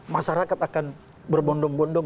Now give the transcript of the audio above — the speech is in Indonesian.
masyarakat akan berbondong bondong